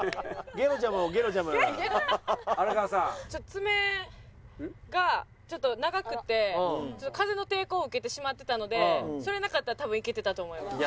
爪がちょっと長くて風の抵抗を受けてしまってたのでそれなかったら多分いけてたと思います。